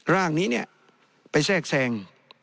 ร่างนี้เนี่ยไปแทรกแทรง